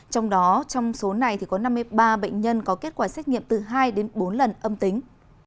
trong đó trong số này có năm mươi ba bệnh nhân có kết quả xét nghiệm từ hai đến bốn lần âm tính